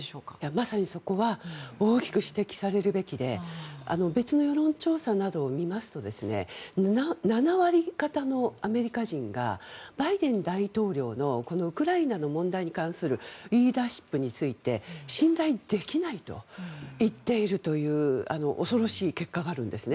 まさにそこは大きく指摘されるべきで別の世論調査などを見ますと７割方のアメリカ人がバイデン大統領のウクライナの問題に関するリーダーシップについて信頼できないといっている恐ろしい結果があるんです。